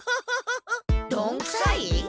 どんくさい？